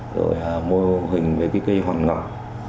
rồi mô hình về cái cây hoàng ngọc